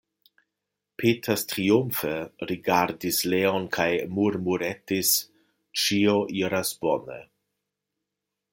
Peters triumfe rigardis Leon kaj murmuretis: Ĉio iras bone.